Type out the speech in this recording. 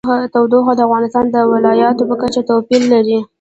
تودوخه د افغانستان د ولایاتو په کچه توپیر لري.